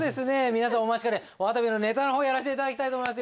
皆さんお待ちかねわたびのネタの方やらして頂きたいと思います。